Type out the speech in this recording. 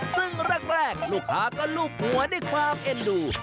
ซึ่งแรกลูกค้าก็ลูบหัวด้วยความเอ็นดู